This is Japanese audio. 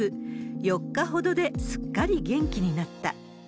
４日ほどですっかり元気になった。